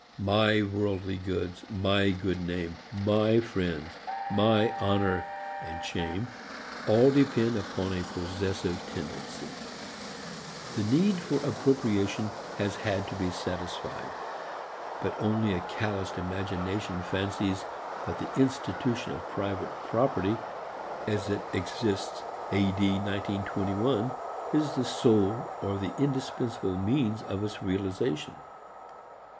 My worldly goods, my good name, my friends, my honor and shame all depend upon a possessive tendency. The need for appropriation has had to be satisfied; but only a calloused imagination fancies that the institution of private property as it exists A. D. 1921 is the sole or the indispensable means of its realization.